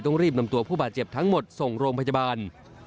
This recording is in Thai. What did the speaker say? รีบนำตัวผู้บาดเจ็บทั้งหมดส่งโรงพยาบาล